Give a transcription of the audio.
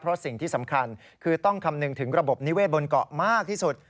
เพราะสิ่งที่สำคัญคือต้องคำนึงถึงระบบนิเวศบนเกาะมากที่สุด